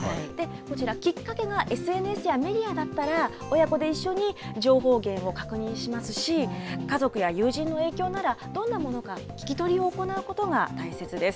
こちら、きっかけがＳＮＳやメディアだったら、親子で一緒に情報源を確認しますし、家族や友人の影響なら、どんなものか、聞き取りを行うことが大切です。